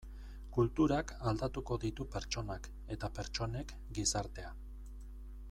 Kulturak aldatuko ditu pertsonak eta pertsonek gizartea.